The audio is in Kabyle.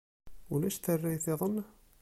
Ulac tarrayt-iḍen?